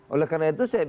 oleh karena itu saya